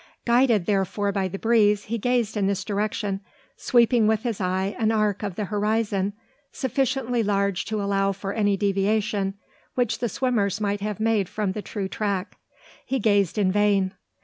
Guided, therefore, by the breeze, he gazed in this direction, sweeping with his eye an arc of the horizon sufficiently large to allow for any deviation which the swimmers might have made from the true track. He gazed in vain.